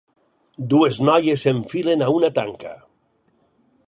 Dues noies s'enfilen a una tanca.